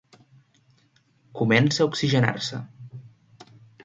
Comença a oxigenar-se.